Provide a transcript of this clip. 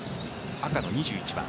赤の２１番。